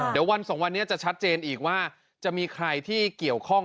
เดี๋ยววันสองวันนี้จะชัดเจนอีกว่าจะมีใครที่เกี่ยวข้อง